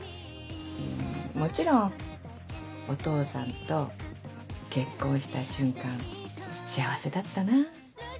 もちろんお父さんと結婚した瞬間幸せだったな。